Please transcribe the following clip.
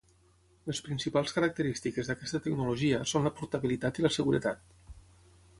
Les principals característiques d'aquesta tecnologia són la portabilitat i la seguretat.